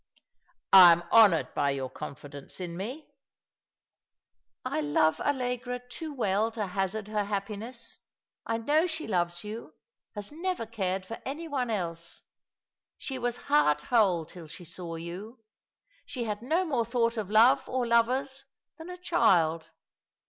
" I am honoured by your confidence in me." " I love Allegra too well to hazard her happiness. I know she loves you — has never cared for any one else. She was heart whole till she saw you. She had no more thought of love, or lovers, than a child.